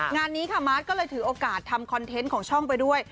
งานนี้ค่ะมาร์ทก็เลยถือโอกาสทำคอนเทนต์ของช่องไปด้วย